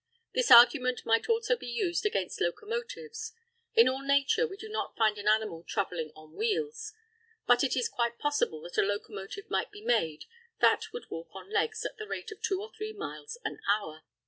This argument might also be used against locomotives. In all Nature we do not find an animal travelling on wheels, but it is quite possible that a locomotive might be made that would walk on legs at the rate of two or three miles an hour.